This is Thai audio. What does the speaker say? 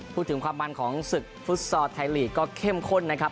พูดถึงความมันของศึกฟุตซอลไทยลีกก็เข้มข้นนะครับ